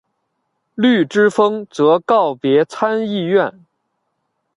绿之风则告别参议院。